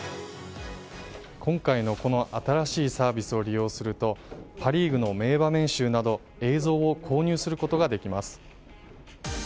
今回のこの新しいサービスを利用するとパ・リーグの名場面集など映像を購入することができます。